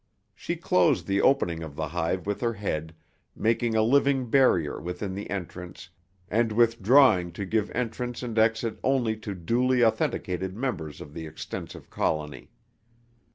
She closed the opening of the hive with her head, making a living barrier within the entrance, and withdrawing to give entrance and exit only to duly authenticated members of the extensive colony.